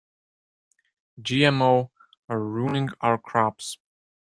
GMO are ruining our crops.